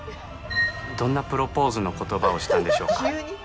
どんなプロポーズのことばをしたんでしょうか？